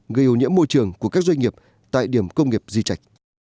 gây ô nhiễm môi trường của các doanh nghiệp tại điểm công nghiệp di trạch